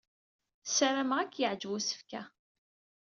Ssarameɣ ad k-yeɛjeb usefk-a.